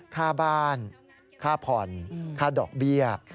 ค่าบ้านค่าผ่อนค่าดอกเบี้ย